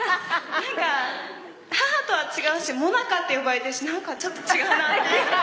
何か母とは違うしモナカって呼ばれてるし何かちょっと違うな。